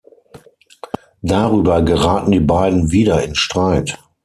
Darüber geraten die beiden wieder in Streit.